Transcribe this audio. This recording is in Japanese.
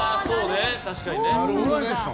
確かにね。